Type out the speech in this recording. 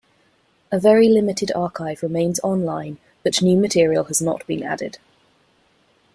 A very limited archive remains online, but new material has not been added.